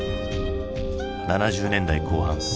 ７０年代後半。